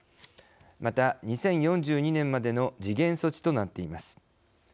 また２０４２年までの時限措置となっています。